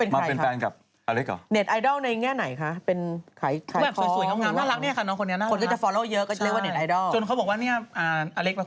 มาเป็นแฟนกับอเล็กเหรอ